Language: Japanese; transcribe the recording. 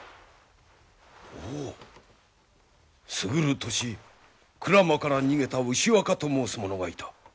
おお過ぐる年鞍馬から逃げた牛若と申す者がいた。